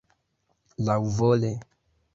laŭvole